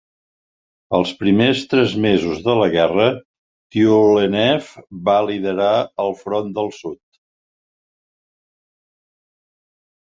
Els primers tres mesos de la guerra, Tyulenev va liderar el Front del Sud.